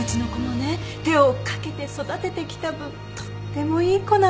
手をかけて育ててきた分とってもいい子なの。